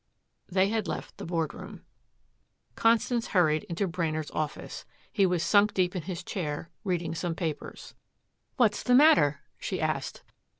They had left the board room. Constance hurried into Brainard's office. He was sunk deep in his chair reading some papers. "What's the matter?" she asked.